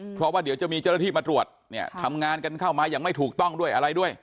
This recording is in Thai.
เพราะว่าเดี๋ยวจะมีเจ้าหน้าที่มาตรวจทำงานกันเข้ามายังไม่ถูกต้องด้วย